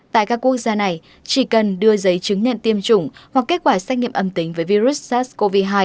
tại các quốc gia này chỉ cần đưa giấy chứng nhận tiêm chủng hoặc kết quả xét nghiệm âm tính với virus sars cov hai